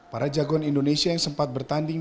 para jagoan indonesia yang sempat bertanding